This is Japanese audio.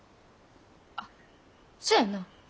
あっそやな。